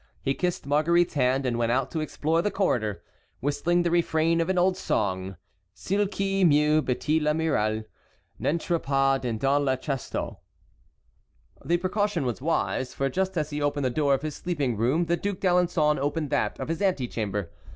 He kissed Marguerite's hand, and went out to explore the corridor, whistling the refrain of an old song: "Cil qui mieux battit la muraille N'entra pas dedans le chasteau." The precaution was wise, for just as he opened the door of his sleeping room the Duc d'Alençon opened that of his antechamber.